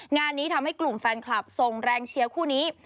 งานนี้ทำให้กลุ่มแฟนคลับส่งแรงเชียร์คู่นี้